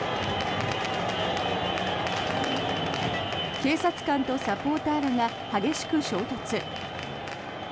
警察官とサポーターらが激しく衝突。